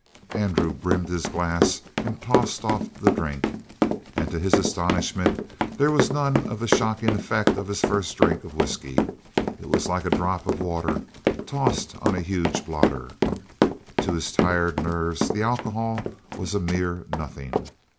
Andrew brimmed his glass and tossed off the drink. And to his astonishment there was none of the shocking effect of his first drink of whisky. It was like a drop of water tossed on a huge blotter. To his tired nerves the alcohol was a mere nothing.